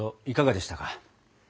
いかがでしたか？